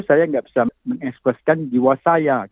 saya gak bisa mengekspresikan jiwa saya